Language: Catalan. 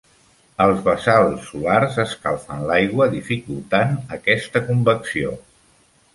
Els bassals solars escalfen l'aigua dificultant aquesta convecció.